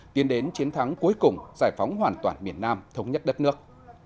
tiến đến chiến thắng cuối cùng giải phóng hoàn toàn miền nam thống nhất đất nước